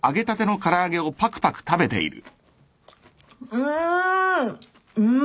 うん。